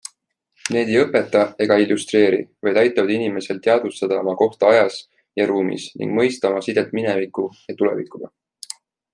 Need ei õpeta ega illustreeri, vaid aitavad inimesel teadvustada oma kohta ajas ja ruumis ning mõista oma sidet mineviku ja tulevikuga.